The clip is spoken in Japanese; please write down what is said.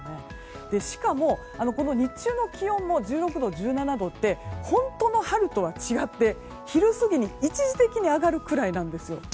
しかも、日中の気温の１６度、１７度って本当の春とは違って昼過ぎに一時的に上がるぐらいなんです。